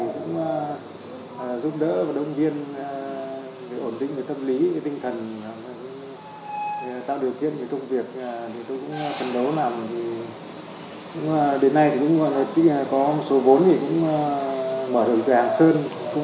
cũng giúp đỡ và đồng viên về ổn định về tâm lý tinh thần